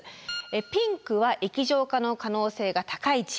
ピンクは液状化の可能性が高い地域。